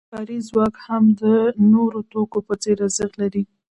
کاري ځواک هم د نورو توکو په څېر ارزښت لري